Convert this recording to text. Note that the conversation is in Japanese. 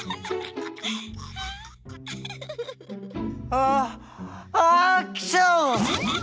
あハックション！